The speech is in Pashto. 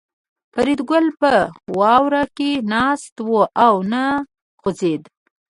فریدګل په واوره کې ناست و او نه خوځېده